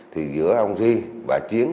thì giữa ông ghi và chiết